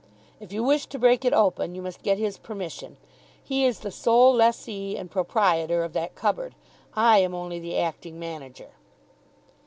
If you wish to break it open, you must get his permission. He is the sole lessee and proprietor of that cupboard. I am only the acting manager."